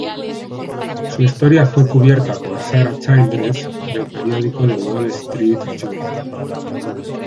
Su historia fue cubierta por Sarah Childress del periódico "The Wall Street Journal".